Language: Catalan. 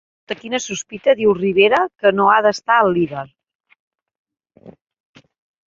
Sota quina sospita diu Rivera que no ha d'estar el líder?